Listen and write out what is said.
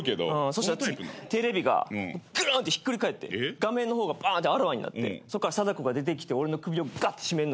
そしたらテレビがぐるんってひっくり返って画面の方があらわになってそっから貞子が出てきて俺の首をがって絞めんの。